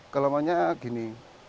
kalau maunya gini